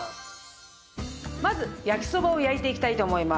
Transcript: まず焼きそばを焼いていきたいと思います。